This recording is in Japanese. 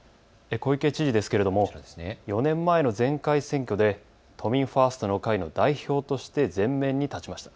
小池知事ですけれども４年前の前回選挙で都民ファーストの会の代表として前面に立ちました。